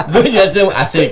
gue juga senyum asik